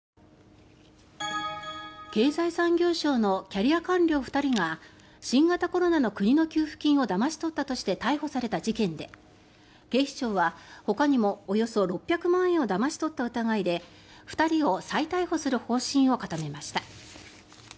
経済産業省のキャリア官僚２人が新型コロナの国の給付金をだまし取ったとして逮捕された事件で、警視庁はほかにもおよそ６００万円をだまし取った疑いで２人を再逮捕する方針を固めました。